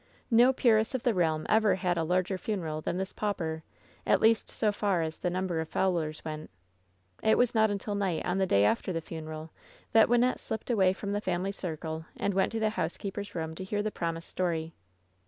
K"o peeress of the realm ever had a larger funeral than this pauper, at least so far as the number of followeri» went. It was not until night on the day after the funeral that Wynnette slipped away from the family circle and went to the housekeeper's room to hear the promised story.